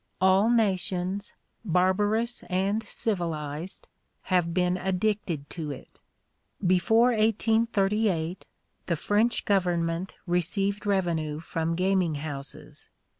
All nations, barbarous and civilized, have been addicted to it. Before 1838, the French government received revenue from gaming houses.